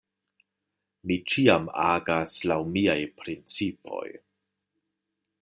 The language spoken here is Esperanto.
Mi ĉiam agas laŭ miaj principoj.